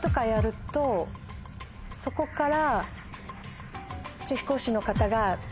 そこから。